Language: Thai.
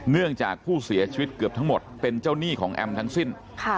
เนื่องจากผู้เสียชีวิตเกือบทั้งหมดเป็นเจ้าหนี้ของแอมทั้งสิ้น